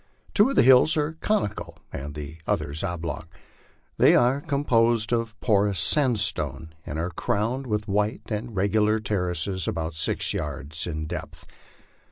Two of the hills are conical and the others oblong; they are composed of porous sandstone, and are crowned with white and regular terraces about six yards in depth.